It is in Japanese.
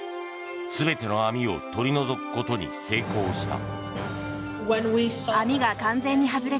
全ての網を取り除くことに成功した。